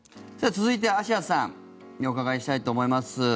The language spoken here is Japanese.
続いて、あしやさんにお伺いしたいと思います。